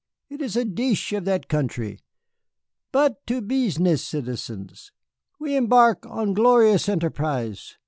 "It is a deesh in that country. But to beesness, citizens, we embark on glorious enterprise.